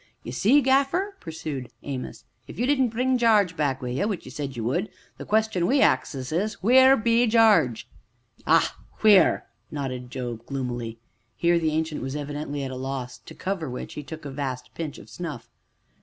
"Ye see, Gaffer," pursued Amos, "if you didn't bring Jarge back wi' you w'ich you said you would the question we axes is wheer be Jarge?" "Ah! wheer?" nodded Job gloomily. Here the Ancient was evidently at a loss, to cover which, he took a vast pinch of snuff.